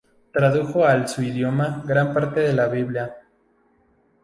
Tradujo al su idioma gran parte de la Biblia.